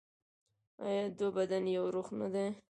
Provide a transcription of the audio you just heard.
آیا دوه بدن یو روح نه دي؟